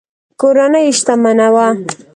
کورنۍ یې شتمنه وه.